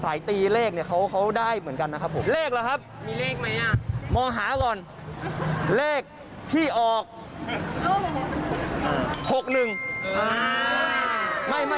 อ่าไม่เค้าสร้างสารานี้ปี๖๑